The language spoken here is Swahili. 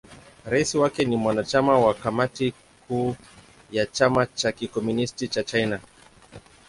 Rais wake ni mwanachama wa Kamati Kuu ya Chama cha Kikomunisti cha China.